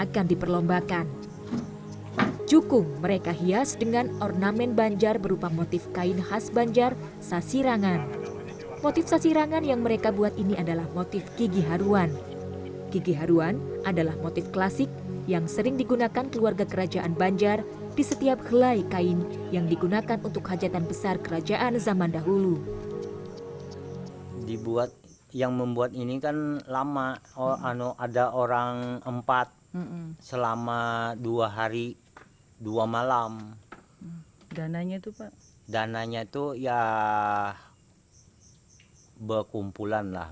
selepas saja pemerintah dan pemerintah